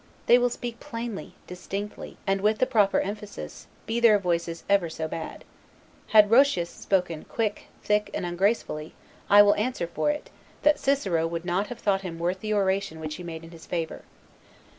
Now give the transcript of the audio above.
They will speak plainly, distinctly, and with the proper emphasis, be their voices ever so bad. Had Roscius spoken QUICK, THICK, and UNGRACEFULLY, I will answer for it, that Cicero would not have thought him worth the oration which he made in his favor.